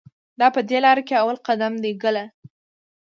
دا په دې لار کې اول قدم دی ګله.